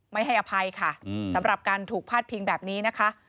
ไม่ให้อภัยค่ะสำหรับการถูกพาดพิงแบบนี้นะคะ